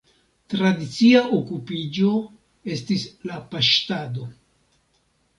Tradicia okupiĝo estis la paŝtado.